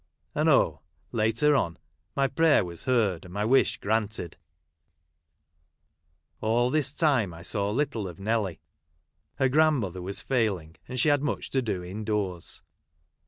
And oli, later on, my prayer was heard, and my wish granted ! All this time I saw little' of Nelly. ,Hea*' grand mother was failing, and she had much to do in doors.